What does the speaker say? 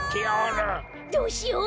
どうしよう？